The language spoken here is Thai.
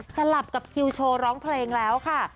สลับกับคิวโชว์ร้องเพลงแล้วค่ะ